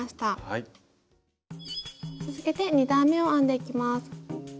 続けて２段めを編んでいきます。